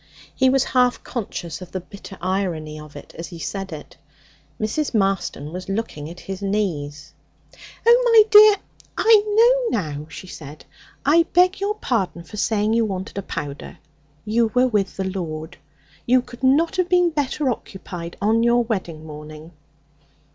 He was half conscious of the bitter irony of it as he said it. Mrs. Marston was looking at his knees. 'Oh, my dear, I know now,' she said; 'I beg your pardon for saying you wanted a powder. You were with the Lord. You could not have been better occupied on your wedding morning!'